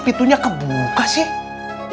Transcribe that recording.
pitunya kebuka sih